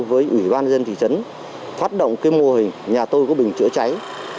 với ủy ban nhân dân thị trấn phát động mô hình nhà tôi có bình chữa cháy